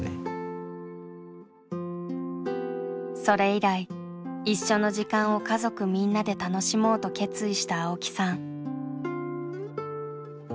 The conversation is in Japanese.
それ以来一緒の時間を家族みんなで楽しもうと決意した青木さん。